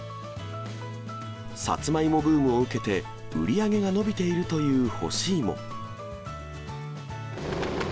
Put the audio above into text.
サツマイモブームを受けて、売り上げが伸びているという干し芋。